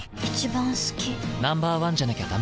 Ｎｏ．１じゃなきゃダメだ。